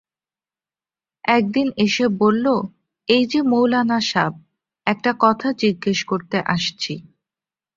একদিন এসে বলল, এই যে মৌলানা সাব, একটা কথা জিজ্ঞেস করতে আসছি।